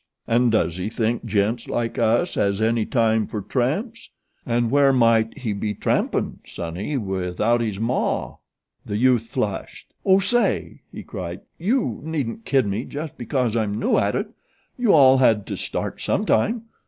An' does he think gents like us has any time for tramps? An' where might he be trampin', sonny, without his maw?" The youth flushed. "Oh say!" he cried; "you needn't kid me just because I'm new at it. You all had to start sometime.